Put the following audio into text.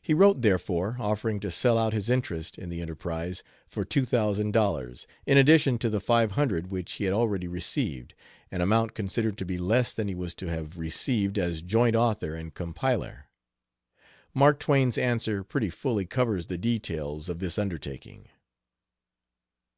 He wrote, therefore, offering to sell out his interest in the enterprise for two thousand dollars, in addition to the five hundred which he had already received an amount considered to be less than he was to have received as joint author and compiler. Mark Twain's answer pretty fully covers the details of this undertaking.